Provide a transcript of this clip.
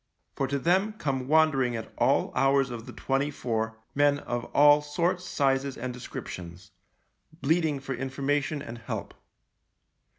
For to them come wandering at all hours of the twenty four men of all sorts, sizes, and descriptions, bleating for information and help.